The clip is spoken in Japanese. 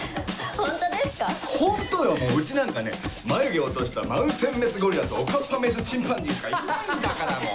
ホントようちなんかね眉毛落としたマウンテンメスゴリラとおかっぱメスチンパンジーしかいないんだからもう。